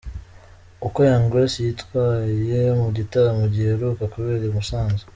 Uko Young Grace yitwaye mu gitaramo giheruka kubera i Musanze.